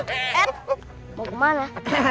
eh mau kemana